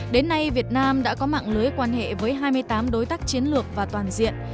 đến nay việt nam đã có mạng lưới quan hệ với hai mươi tám đối tác chiến lược và toàn diện